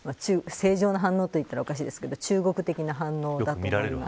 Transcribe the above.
正常な反応といったらおかしいですけど中国的反応です。